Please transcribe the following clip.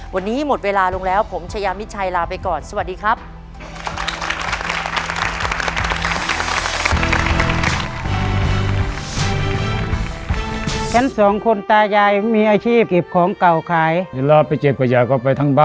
วันนี้หมดเวลาลงแล้วผมชายามิชัยลาไปก่อนสวัสดีครับ